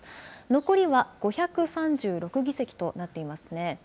残りは５３６議席となっていますね。